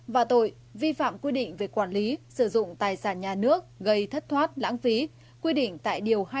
và tội vi phạm quy định về quản lý sử dụng tài sản nhà nước gây thất thoát lãng phí quy định tại điều hai trăm hai mươi bốn